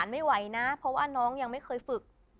ช่วยเหลือ